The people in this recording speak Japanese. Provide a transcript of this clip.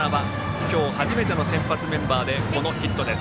今日初めての先発メンバーでこのヒットです。